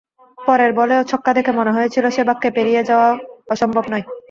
পরের বলেও ছক্কা দেখে মনে হয়েছিল শেবাগকে পেরিয়ে যাওয়াও অসম্ভব নয়।